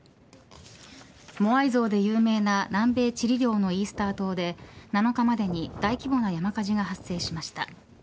モアイ像で有名な南米チリ領のイースター島で７日までに大規模な山火事が発生しました。